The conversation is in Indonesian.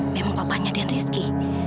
memang papanya dian rizky